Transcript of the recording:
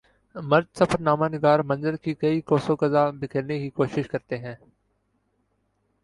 مرد سفر نامہ نگار منظر کی کی قوس و قزح بکھیرنے کی کوشش کرتے ہیں